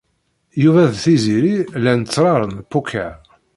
Yuba d Tiziri llan ttṛaṛen poker.